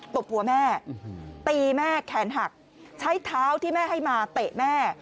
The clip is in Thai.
ตบหัวแม่ตีแม่แขนหักใช้เท้าที่แม่ให้มาเตะแม่